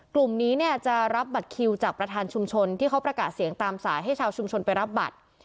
กลุ่มนี้เนี่ยจะรับบัตรคิวจากประธานชุมชนที่เขาประกาศเสียงตามสายให้ชาวชุมชนไปรับบัตร